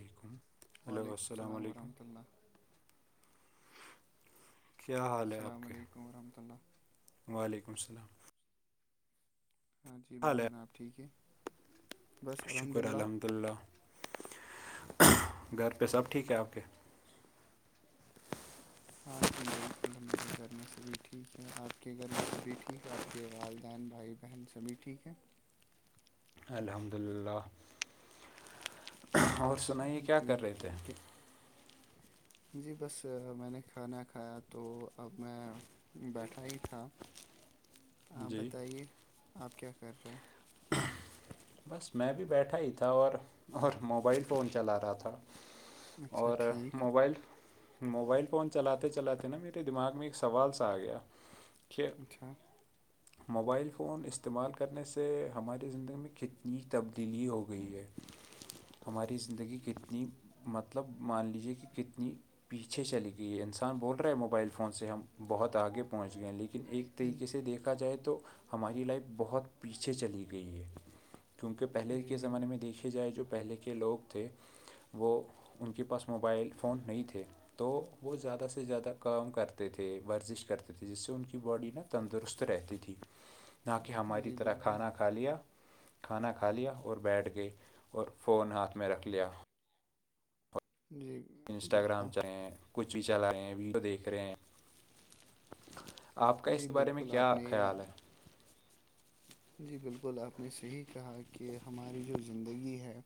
علیکم ہلو وعلیکم السلام علیکم ورحمۃ اللہ کیا حال ہے آپ السلام کا علیکم ورحمۃ اللہ وعلیکم السلام ہاں جی کیا بھائی حال ہے جانب ٹھیک ہے بس شکر للہ الحمد اللہ گھر پہ سب ٹھیک ہے آپ کےے ہاں جی بالکل میرے گھر میں سبھی ٹھیک ہے آپ کے گھر میں سبھی ٹھیک آپ کے والدین بھائی بہن سبھی ٹھیک ہیں الحمد للہ اور سنائیے کیا کر جی رہے تھے کہ- کہ- جی بس میں نے کھانا کھایا تو اب میں بیٹھا ہی تھا آپ جی بتائیے آپ کیا کر رہے ہیں بس میں بھی بیٹھا ہی تھا اور اور موبائل فون چلا رہا تھا اچھا اور ٹھیک موبائل [unintelligible] موبائل فون چلاتے چلاتے نا میرے دماغ میں ایک سوال سا آ گیا کہ اچھا موبائل فون استعمال کنے سے ہماری زندگی میں کتنی تبدیلی ہو گئی ہے ہماری زندگی کتنی مطلب مان لیجیے کہ کتنی پیچھے چلی گئی ہے انسان بول رہا ہے موبائل فون سے ہم بہت آگے پہنچ گئے لیکن لیکن ایک ہم، طریقے سے دیکھا جائے تو ہماری لائف بہت پیچھے چلی گئی ہے کیونکہ پہلے جی کے زمانے بالکل میں دیکھے جائے جو پہلے کے لوگ تھے وہ ان کے پاس موبائل فون نہیں تھے تو وہ زیادہ سے زیادہ کام کرتے تھے ورزش کرتے تھے جس سے ان کی باڈی نا تندرست رہتی تھی [inaudible] نہ کہ ہماری جی طرح بالکل کھانا کھا لیا کھانا کھا لیا اور بیٹھ گئی اور فون ہاتھ میں رکھ لیا جی بالکل انسٹاگرام چل رہے ہیں کچھ بھی چلا رہے ہیں ویڈیو دیکھ رہے ہیں آپ کا جی اس بارے میں بالکل آپ کیا نے خیال ہے [unintelligible] جی بالکل آپ نے صحیح کہا کہ ہماری جو زندگی ہے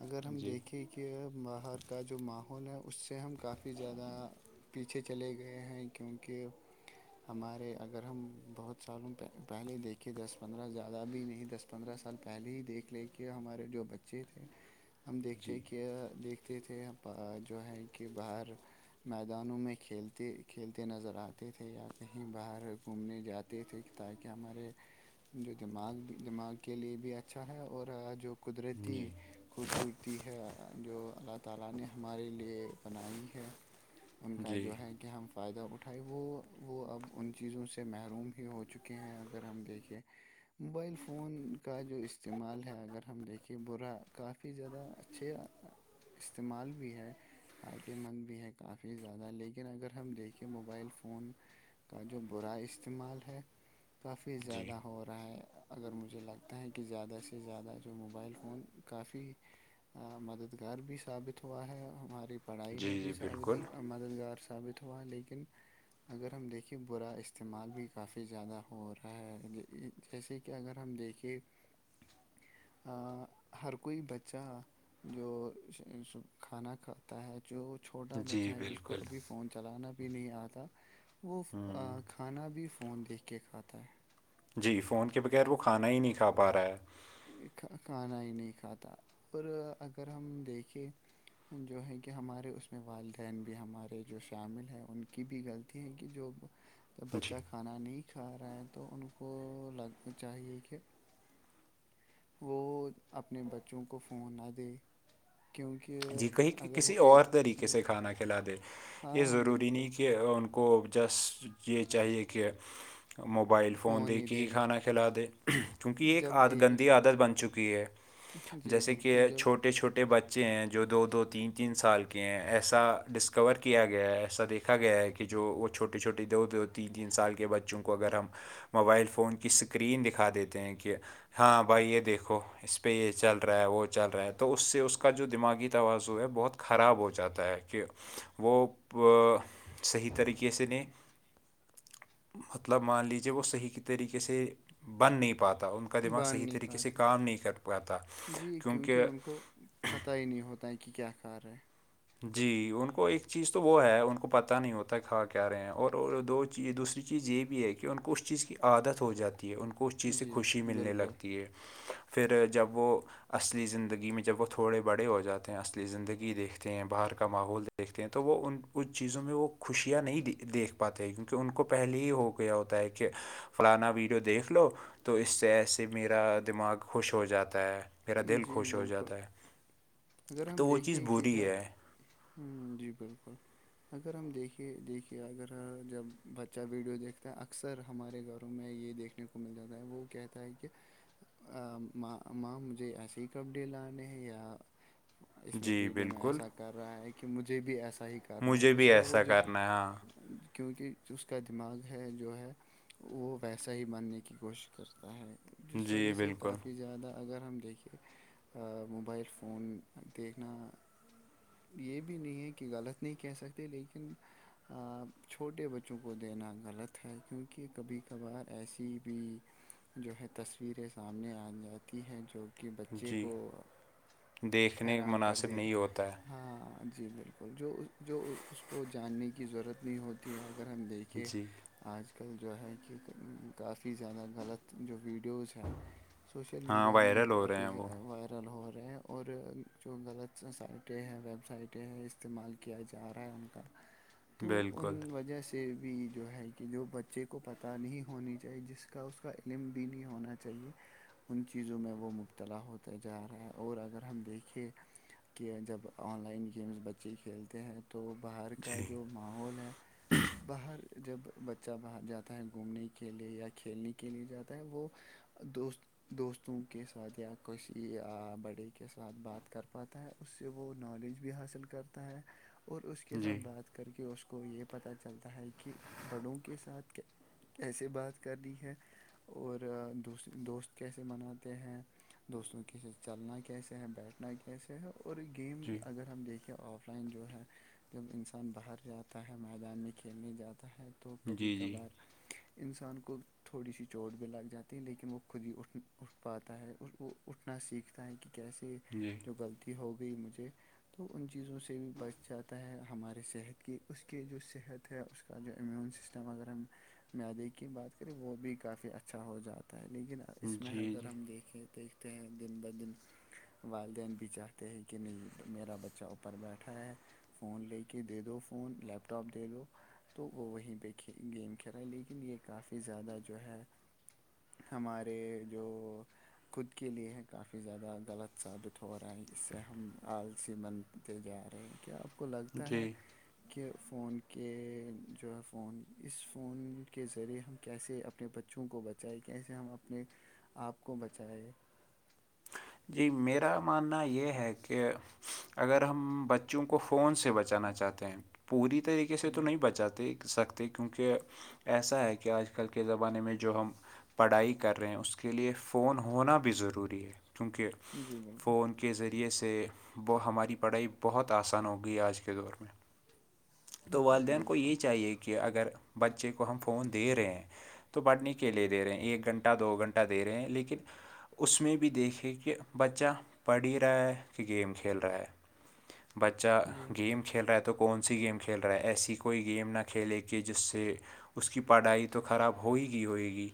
اگر ہم جی دیکھیں کہ باہر کا جو ماحول ہے اس سے ہم کافی زیادہ پیچھے چلے گئے ہیں کیونکہ ہمارے اگر ہم بہت سالوں پہلے دیکھے دس پندرہ زیادہ بھی نہیں دس پندرہ سال پہلے ہی دیکھ لے کے ہمارے جو بچے تھے ہم جی دیکھتے کہ دیکھتے تھے جو ہے کہ باہر میدانوں میں کھیلتے کھیلتے نظر آتے تھے یا کہیں باہر گھومنے جاتے تھے تاکہ ہمارے جو دماغ بھی دماغ کے لیے بھی اچھا ہے اور جو قدرتی جی خوبصورتی ہے جو اللہ تعالی نے ہمارے لیے بنائی ہے ان کا جی جو ہے کہ ہم فائدہ اٹھائے وہ وہ اب ان چیزوں سے محروم ہی ہو چکے ہیں اگر ہم دیکھے موبائل فون کا جو استعمال ہے اگر ہم دیکھییں برا کافی زیادہ اچھے استعمال بھی ہے فائدہ مند بھی ہے کافی زیادہ لیکن اگر ہم دیکھیں موبائل فون کا جو برا استعمال ہے کافی جی زیادہ ہو ہو رہا ہے اگر مجھے لگتا ہے کہ زیادہ سے زیادہ جو موبائل فون کافی مددگار بھی ثابت ہوا ہے ہماری پڑھائی میں جی بھی جی ثابت بالکل مددگار ثابت ہوا لیکن اگر ہم دیکھیں برا استعمال بھی کافی زیادہ ہو رہا ہے جیسے کہ اگر ہم دیکھے ہ ہر کوئی بچہ جو کھانا کھاتا ہے جو چھوٹا جی بچہ ہے جس کو بالکل ابھی فون چلانا بھی نہیں آتا وہ کھانا بھی فون دیکھ کے کھاتا ہے جی فون کے بغیر وہ کھانا ہی نہیں کھا پا رہا ہے کھ کھانا ہی نہیں کھاتا اور اگر ہم دیکھیں جو ہے کہ ہمارے اس میں والدین بھی ہمارے جو شامل ہیں ان کی بھی غلط ت ہیں کہ جو جب جی بچہ کھانا نہیں کھا رہا ہے تو ان کو لگ چاہیے کہ وہ اپنے بچوں کو فون نہ دے کیونکہ جی کہیں اگر کسی وہ اور ایک طریقے سے کھانا کھلا دے یہ ہاں ضروری بالکل نہیں کہ ان کو جسٹ یہ چاہیے کہ موبائل فون د ہی دے کی دیں کھانا کھلا د کیونکہ یہ ایک عد گند عادت بن چکی ہے جی جیسے بالکل کہ جب چھوٹے چھوٹے بچے ہیں جو جو دو دو تین تین سال کے ہیں ایسا ڈسکور کیا گیا ہے ایسا دیکھا گیا ہے کہ کہ جو وہ چھوٹے چھوٹے دو دو تین تین سال کے بچوں کو اگر ہم موبائل فون کی سکرین دکھا دیتے ہیں کہ ہاں بھائی یہ دیکھو اس پہ یہ چل رہا ہے وہ چل رہا ہے تو اس سے اس کا جو دماغی واز ہے بہت خراب ہو جاتا ہے کہ وہ صحیح طریقے اسس نے مطلب مان لیجیے وہ صحیح طریقے سے بن نہیں پاتا ان کا دماغ باندھ صحیح نہیں طریقے سے پاتے کام نہیں کر پاتا جی کیونکہ ان کو پتہ ہی نہیں ہوتا ہے کہ کیا کار رہے ہے جی ان کو ایک چیز تو وہ ہے ان کو پت نہیں ہوتا کھاں کیا رہے ہیں اور دو جی دوسری چیز یہ بھی ہے کہ ان کو اس چیز کی عادت ہو جاتی ہے ان کو اس ہیں چیز سے جی خوشی ملنے بالکل لگتی ہے پھر جب وہ اصلی زندگی میں جب وہ تھوڑے بڑے ہو جاتے ہیں اصلی زندگی دیکھ تے ہیں باہر کا ماحول دیکھتے ہیں تو وہ ان ان چیزوں میں وہ خوشیاں نہیں دیکھ پتہ ہی تو ان کو پہلے ہی ہو گیا ہوتا ہے کہ فلانا ویڈیو دیکھ لو تو اس سے ای سے میرا دماغ خوش ہو جاتا ہے میرا دل جی خوش ہو بالکل جاتا ہے اگر ہم تو وہ چیز دیکھیں کہ بری جب ہے جی بالکل اگر ہم دیکھے دیکھیے اگر جب بچہ ویڈیو دیکھتا ہے اکثر ہمارے گھروں میں یہ دیکھ دیکھنے کو مل جاتا ہے وہ کہتا ہے کہ م ماں مجھے ایسے ہی کپڈے لانے ہیں یا اس میں جی ویڈیو میں بالکل ایسا کر رہا ہے کہ مجھے بھی ایسا ہی کرنا ہے مجھے اس بھی کا وہ ایسا جو کرنا ہے ہاں کیونکہ اس کا دماغ ہے جو ہے وہ ویسا ہی ماننے کی کوشش کرتا ہے جس وجہ جی سے بالکل کافی زیادہ اگر ہم دیکھیے موبائل فون دیکھنا یہ بھی نہیں ہے کہ غلط نہیں کہہ سکتے لیکن چھوٹے بچوں کو دینا غلط ہے کیونکہ کبھی کبھار ایسی بھی جو ہے تصویریں سامنے آ جاتی ہیں جو کے بچے جی کو دیکھنے حیران کر مناسب دے نہیں ہوتا ہے ہاں جی بالکل جو جو اس کو جاننے کی ضرورت نہیں ہوتی ہے اگر ہم دیکھ کہ جی آج کل جو ہے کہ کافی زیادہ غلط جو ویڈیوز ہے سوشل ہاں میڈیا میں وائرل ہو رہے کافی ہیں وہ زیادہ وائرل گلہور رہے ہے اور جو غلط سائٹ یہ ہیں ویب سائٹیں ہیں استعمال کیا جا رہا ہے ان کا تو ان بالکل وجہ سے یہ بھی جو ہے کہ جو بچے کو پتہ نہیں ہونی چاہیے جس کا اس کا علم بھی نہیں ہونا چاہیے ان چیزوں میں وہ مبتلا ہوتا جا رہا ہے اور اگر ہم دیکھیں کہ جب آن لائن گیمس بچے کھیلتے ہیں تو باہر کا جی جو ماحول ہے باہر جب بچہ باہر جاتا ہے گھومنے کے لیے یا کھیلنے کے لیے جاتا ہے وہ دوست دوستوں کے ساتھ یا کسی بڑے کے ساتھ بات کر پاتا ہے اس سے وہ نالج بھی حاصل کرتا ہے اور اس کے جی ساتھ بات کر کے اس کو یہ پتا چلتا ہے کہ بڑوں کے ساتھ کیا کیسے بات کرنی ہے اور دوس دوست کیسے مناتے ہیں دوستوں کی چلنا کیسے ہے بیٹھنا کیسے ہے اور یہ گیم جی اگر ہم دیکھ کہ آف لائن جو ہے جب انسان باہر جاتا ہے میدان میں کھیلنے جاتا ہے تو کبھی جی جی کبھار انسان کو تھوڑی سی چوٹ بھی لگ جاتی ہے لیکن وہ خود ہی اٹ اٹھ پاتا ہے اور وہ اٹھنا سیکھتا ہے کہ کیسے جی جو غلطی ہو گئی مجھے تو ان چیزوں سے بھی بچ جاتا ہے ہمارے صحت کی اس کے جو صحت تو اس کے کات جو امیون سسٹم اگر ہم مدی کی بات کریں وہ بھی کافی اچھا ہو جاتا ہے لیکن اس میں جی اگر ہم جی دیکھیں دیکھ تو ہیں دن بہ دن والدین بھی جاتے کہ کہ نہیں میرا بچہ اپر بیٹھا ہے فون لے کے دے دو فون لیپ ٹاپ دے دو تو وہ وہیں پہ گیم کھیلے ہیں لیکن یہ کافی زیادہ جو ہے ہمارے جو خود کے لیے کافی زیادہ غلط ثابت ہو رہا ہے جس سے ہم آلسی بنتے جا رہے ہیں کیا آپ کو لگتا ہے جی کے فون کے جو ہے فون اس فون کے ذریعے ہم کیسے اپ اپنے بچوں کو بچائے کیسے ہم اپنے آپ کو بچائے جی میرا ماننا یہ ہے کہ اگر ہم بچوں کو فون سے بچانا چاہتے ہیں پوری طریقے سے تو ہوں، نہیں بچاتے سکتے کیونکہ ایسا ہے کہ آج کل کے زمانے میں جو ہم پڑھائی کر رہے ہیں اس کے لیے فون ہونا بھی ضروری ہے کیونکہ جی بالکل فون کے ذریعے سے وہ ہماری پڑھائی بہت آسان ہو گئی آج کے دور میں تو جی والدین کو بالکل یہ چاہیے کہ اگر بچے کو ہم فون دے رہے ہیں تو بانٹنے اکلے دے رہے ہیں ایک گھنٹہ دو گھنٹہ دے رہے ہیں لیکن اس میں بھی دیکھے کہ کہ بچہ پڑھ ہی رہا ہے کہ گیم کھیل رہا ہے بچہ جی گیم کھیل رہا ہے تو کون سی گیم کھیل رہا ہے ایسی کوئی گیم نہ کھیلے کہ جس سے اس کی پڑھائی تو خراب ہو ہی گی ہوئے گی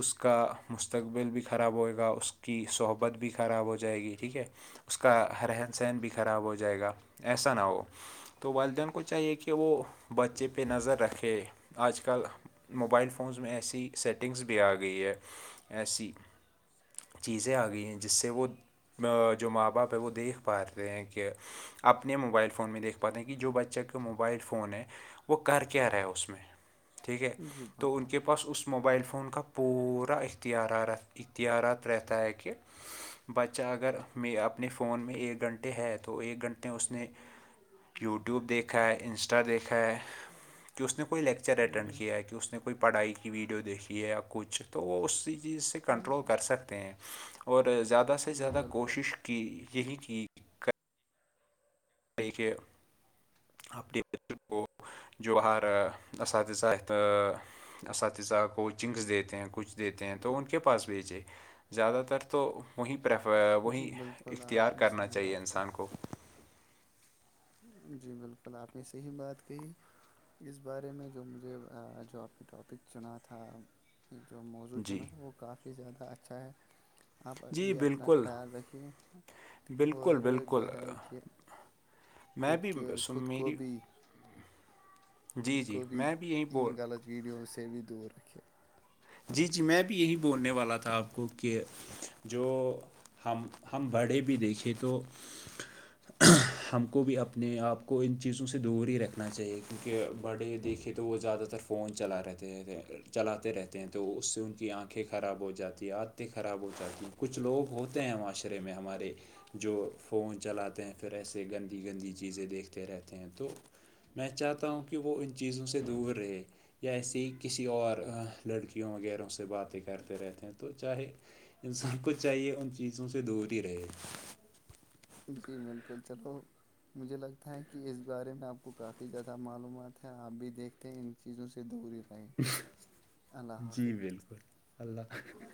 اس کا مستقبل بھی خراب ہوئے گا اس کی صحبت بھی خراب ہو جائے گی ٹھیک ہے اس کا رہن سہن بھی خراب ہو جائے گا ایسا نہ ہو تو والدین کو کو چاہیے کہ وہ بچے پہ نظر رکھے آج کل موبائل فونز میں ایسی سیٹنگس بھی آ گئی ہے ایسی چیزیں آ گئی ہیں جس سے وہ جو ماں باپ ہے وہ دیکھ پا رہے ہیں کہ اپنے موبائل فون میں دیکھ پاتے ہیں کہ جو بچہ موبائل فون ہے وہ کر کیا رہ ہے اس میں ٹھیک ہے جی تو ان بالکل کے پاس اس اس موبائل فون کا پورا اختیار رت اختیارات ریت ہےک کہ بچہ اگر میں اپنے فون میں ایک گھنٹے ہے تو ایک گھنٹے اس نے یوٹیوب دیکھا ہے انسٹا دیکھا ہے کہ اس نے کوئی لیکچر اٹینڈ جی کیا ہے کہ اس نے کوئی پڑھائی کی ویڈیو دیکھیے یا کچھ تو وہ اسی چیز سے کنٹرول کر سکتے ہیں اور زیادہ سے جی زیادہ بالکل کوشش کی یہی کی کہ اپنےر کو جو ہر اساتذہ اساتذہ کوچنگس دیتے ہیں کچ دیتے ہیں تو ان کے پاس بھیجے زیادہ تر تو وہیں پرریف جی وہیں بالکل اختیار آپ نے کرنا صحیح چاہیے بات انسان کہی کو جی بالکل آپ نے صحیح بات کہی اس بارے میں جو مجھے جو آپ کے ٹاپک چنا تھا جو موضوع چنا جی تھا وہ کافی زیادہ اچھا ہے آپ جی بھی اپنا بالکل خیال رکھیں بالکل اور جو ہے بالکل کہ میں خود بھی کے سن خود کو میری بھی خود جی کو جی بھی میں یہی بول ان غلط ویڈیوز سے بھی دور رکھے جی جی میں بھی یہی بولنے والا تھا آپ کو کہ جو ہم ہم بڑے بھی دیکھے تو ہم کو بھی اپنے آپ کو ان چیزوں سے دور ہی رکھنا چاہیے کیونکہ بڑے دیکھے تو وہ زیادہ تر فون چلا رہےتے تھ چلاتے رہتے ہیں تو اس سے ان کی آنکھیں خراب ہو جاتی عدتیں خراب ہو جاتی ہیں کچھ لوگ ہوتے ہیں ماشا رے میں ہمارے جو فون چلاتے ہیں پھر ایسے گندی گندی چیزیں دیکھتے رہتے ہیں تو میں چاہتا ہوں کہ وہ ان چیزوں سے دور رہے یا ایسے ہی کسی اور لڑکیوں وغیرہوں سے باتیں کرتے رہتے ہیں تو چاہے انسان کو چاہیے ان چیزوں سے دور ہی رہے جی بالکل چلو مجھے لگتا ہے کہ اس بارے میں آپ کو کافی زیادہ معلومات ہیں آپ بھی دیکھتے ہیں ان چیزوں سے دوری رہیں اللہ جی حافظ بالکل اللہ [inaudible]